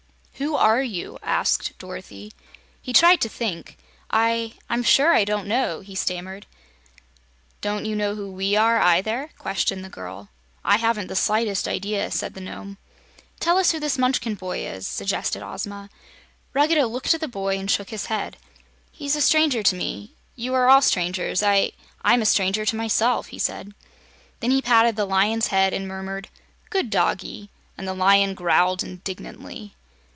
"Who ARE you?" asked Dorothy. He tried to think. "I I'm sure I don't know," he stammered. "Don't you know who WE are, either?" questioned the girl. "I haven't the slightest idea," said the Nome. "Tell us who this Munchkin boy is," suggested Ozma. Ruggedo looked at the boy and shook his head. "He's a stranger to me. You are all strangers. I I'm a stranger to myself," he said. Then he patted the Lion's head and murmured, "Good doggie!" and the Lion growled indignantly.